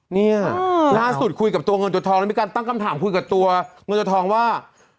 เนี่ยล่าสุดคุยกับตัวเงินตัวทองแล้วมีการตั้งคำถามคุยกับตัวเงินตัวทองว่า